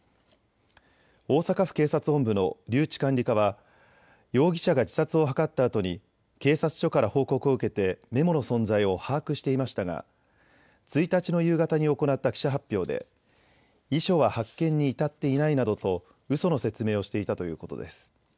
大阪府警察本部の留置管理課は容疑者が自殺を図ったあとに警察署から報告を受けてメモの存在を把握していましたが１日の夕方に行った記者発表で遺書は発見に至っていないなどとうその説明をしていたということです。